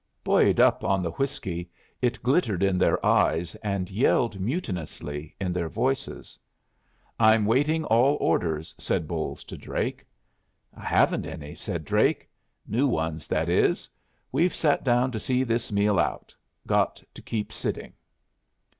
Buoyed up on the whiskey, it glittered in their eyes and yelled mutinously in their voices. "I'm waiting all orders," said Bolles to Drake. "I haven't any," said Drake. "New ones, that is. We've sat down to see this meal out. Got to keep sitting."